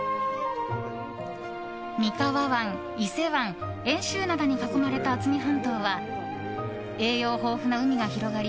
三河湾、伊勢湾、遠州灘に囲まれた渥美半島は栄養豊富な海が広がり